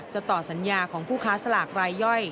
ต่อสัญญาของผู้ค้าสลากรายย่อย